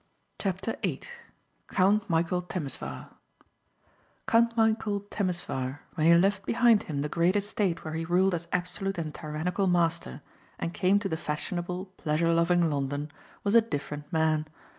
CHAPTER EIGHT COUNT MICHÆL TEMESVAR Count Michæl Temesvar, when he left behind him the great estate where he ruled as absolute and tyrannical master and came to the fashionable, pleasure loving London, was a different man.